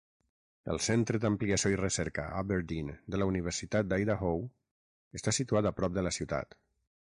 El centre d'ampliació i recerca Aberdeen de la Universitat d'Idaho està situat a prop de la ciutat.